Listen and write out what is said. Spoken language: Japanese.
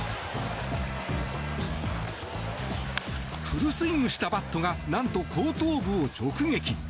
フルスイングしたバットが何と後頭部を直撃。